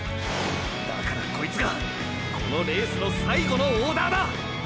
だからこいつがこのレースの最後のオーダーだ！！